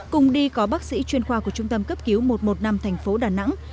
cùng đi có bác sĩ chuyên khoa của trung tâm cấp cứu một trăm một mươi năm thành phố đà nẵng